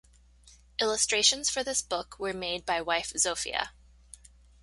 Illustrations for this book were made by wife Zofia.